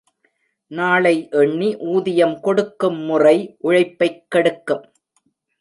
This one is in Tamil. நாளை எண்ணி ஊதியம் கொடுக்கும் முறை உழைப்பைக் கெடுக்கும்.